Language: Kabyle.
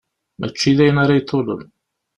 Mačči d ayen ara iḍulen.